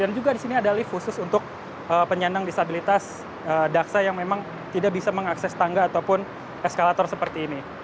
dan juga di sini ada lift khusus untuk penyandang disabilitas daksa yang memang tidak bisa mengakses tangga ataupun eskalator seperti ini